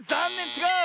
ちがう！